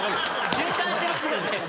循環してますよね。